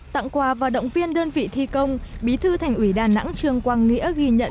tặng quà và động viên đơn vị thi công bí thư thành ủy đà nẵng trương quang nghĩa ghi nhận